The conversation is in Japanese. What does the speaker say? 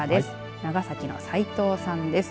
長崎の斎藤さんです。